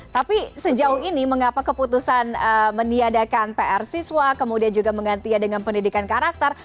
tapi sejauh ini mengapa keputusan meniadakan pr siswa kemudian juga menggantinya dengan pendidikan karakter